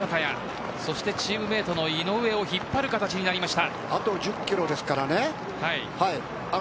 新しい力が、大迫や土方やチームメートの井上を引っ張る形になりました。